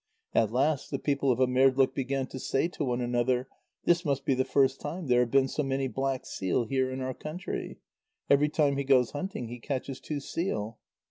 At last the people of Amerdloq began to say to one another: "This must be the first time there have been so many black seal here in our country; every time he goes hunting he catches two seal."